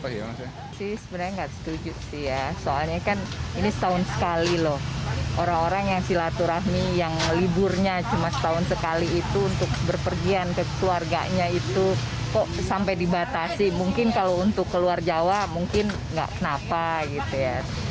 hanya cuma setahun sekali itu untuk berpergian ke keluarganya itu kok sampai dibatasi mungkin kalau untuk keluar jawa mungkin nggak kenapa gitu ya